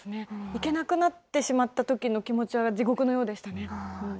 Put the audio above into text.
行けなくなってしまったときの気持ちは、地獄のようでしたね。